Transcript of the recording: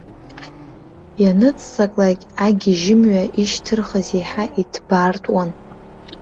Ианыццаклак, агьежьымҩа ишьҭырхыз еиҳа иҭбаартәуан.